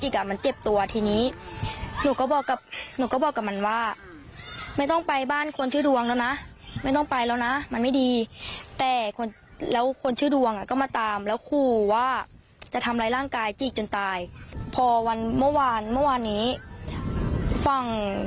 ก็มาตามแล้วคู่ว่าจะทำไรร่างกายจีบจนตายพอวันเมื่อวานเมื่อวานนี้ฟัง